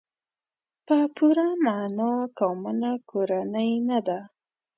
په پوره معنا کامله کورنۍ نه ده.